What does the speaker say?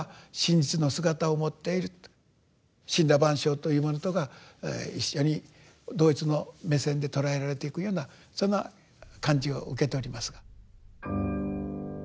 森羅万象というものとが一緒に同一の目線で捉えられていくようなそんな感じを受けておりますが。